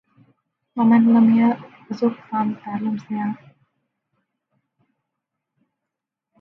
ومن لم يذق طعم التعلم ساعة